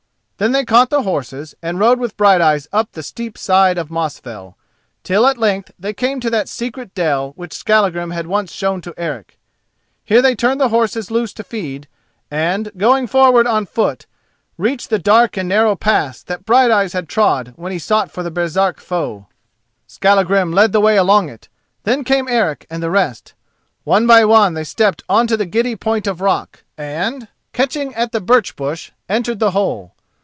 Then they caught the horses, and rode with Brighteyes up the steep side of Mosfell, till at length they came to that secret dell which Skallagrim had once shown to Eric. Here they turned the horses loose to feed, and, going forward on foot, reached the dark and narrow pass that Brighteyes had trod when he sought for the Baresark foe. Skallagrim led the way along it, then came Eric and the rest. One by one they stepped on to the giddy point of rock, and, catching at the birch bush, entered the hole.